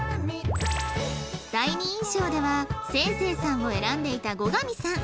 第二印象ではせいせいさんを選んでいた後上さん